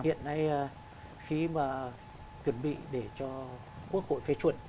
hiện nay khi mà chuẩn bị để cho quốc hội phê chuẩn